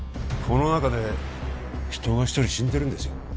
この中で人が一人死んでるんですよ